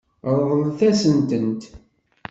Ṛeḍlet-asent-tent.